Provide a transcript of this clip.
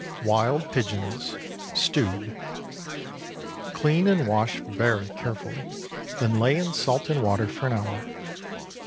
WILD PIGEONS. (Stewed.) ✠ Clean and wash very carefully, then lay in salt and water for an hour.